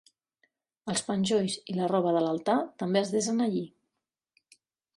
Els penjolls i la roba de l'altar també es desen allí.